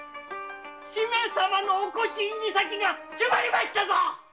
姫様のお輿入り先が決まりました！